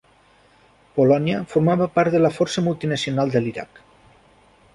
Polònia formava part de la força multinacional de l'Iraq.